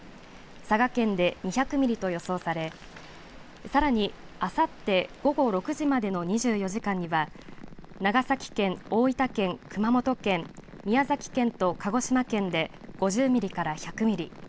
佐賀県で２００ミリと予想されさらに、あさって午後６時までの２４時間には長崎県、大分県、熊本県宮崎県と鹿児島県で５０ミリから１００ミリ。